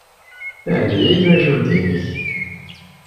Teɛjeb-iyi twacult-nnek.